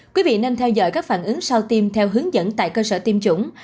quý vị nên theo dõi các phản ứng sau tiêm theo hướng dẫn tại cơ sở tiêm chủng